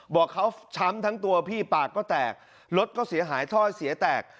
บอกเขาช้ำทั้งตัวพี่ปากก็แตกรถก็เสียหายถ้อยเสียแตก